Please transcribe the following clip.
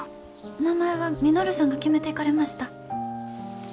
名前は稔さんが決めていかれました。